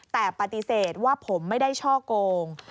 แต่ปฏิเสธว่าผมไม่ได้ช่อโกง